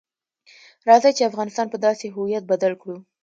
راځئ چې افغانستان په داسې هویت بدل کړو.